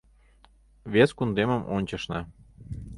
Вес кундемым ончышна.